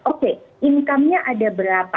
oke income nya ada berapa